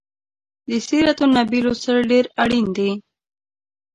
د سیرت النبي لوستل ډیر اړین دي